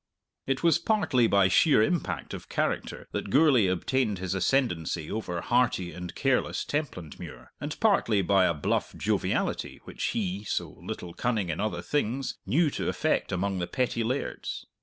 It was partly by sheer impact of character that Gourlay obtained his ascendency over hearty and careless Templandmuir, and partly by a bluff joviality which he so little cunning in other things knew to affect among the petty lairds.